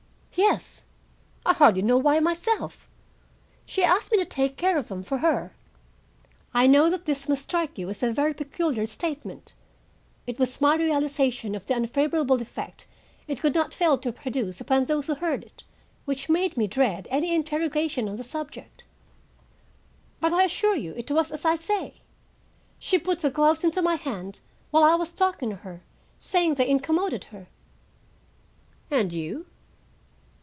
"Yes, I hardly know why myself. She asked me to take care of them for her. I know that this must strike you as a very peculiar statement. It was my realization of the unfavorable effect it could not fail to produce upon those who beard it, which made me dread any interrogation on the subject. But I assure you it was as I say. She put the gloves into my hand while I was talking to her, saying they incommoded her." "And you?"